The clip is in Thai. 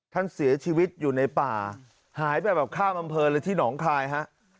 ท่านเสียชีวิตอยู่ในป่าหายไปแบบข้ามอำเภอเลยที่หนองคายฮะ